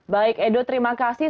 baik edo terima kasih